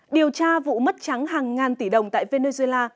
điều tra vụ mất trắng hàng ngàn tỷ đồng tại venezuela